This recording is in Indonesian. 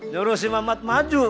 joroh si mamat maju